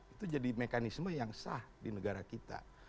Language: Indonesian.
itu jadi mekanisme yang sah di negara kita